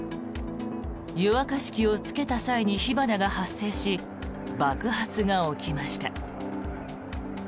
湯沸かし器をつけた際に火花が発生し爆発が起きました。